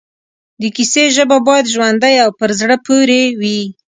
د کیسې ژبه باید ژوندۍ او پر زړه پورې وي